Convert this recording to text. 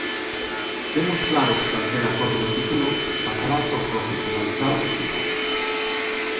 Temos claro que calquera acordo de futuro pasará por profesionalizar o festival.